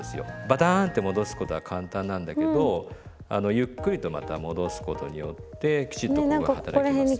バタンと戻すことは簡単なんだけどゆっくりとまた戻すことによってきちっとここが働きます。